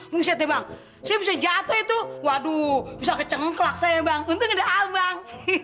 mungkin saya bang saya bisa jatuh itu waduh bisa kecengklak saya bang untung ada abang